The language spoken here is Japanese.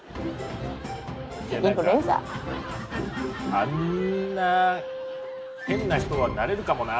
あんな変な人はなれるかもな。